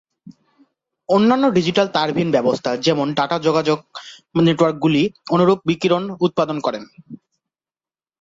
অন্যান্য ডিজিটাল তারবিহীন ব্যবস্থা, যেমন ডেটা যোগাযোগ নেটওয়ার্কগুলি, অনুরূপ বিকিরণ উৎপাদন করে।